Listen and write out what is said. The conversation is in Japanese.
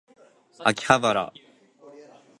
秋葉原